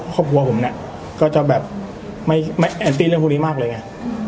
ครอบครัวผมเนี่ยก็จะแบบไม่แอนซี่เรื่องพวกนี้มากเลยไง